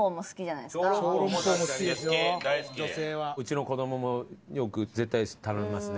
うちの子供もよく絶対頼みますね